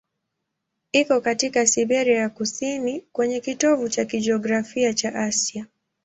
Iko katika Siberia ya kusini, kwenye kitovu cha kijiografia cha Asia.